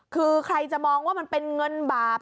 คือใครจะมองว่ามันเป็นเงินบาป